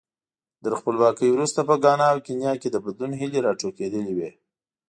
تر خپلواکۍ وروسته په ګانا او کینیا کې د بدلون هیلې راټوکېدلې وې.